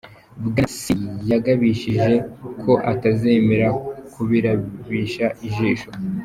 Bwana Xi yagabishije ko atazemera kubirabisha ijisho.